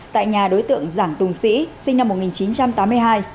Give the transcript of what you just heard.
tại nhà đối tượng giảng tùng sĩ sinh năm một nghìn chín trăm tám mươi hai